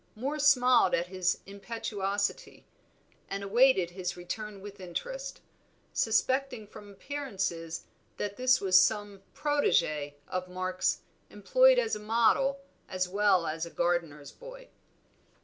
Moor smiled at his impetuosity, and awaited his return with interest, suspecting from appearances that this was some protégé of Mark's employed as a model as well as gardener's boy.